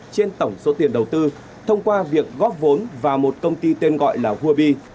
trên tổng số tiền đầu tư thông qua việc góp vốn vào một công ty tên gọi là huabi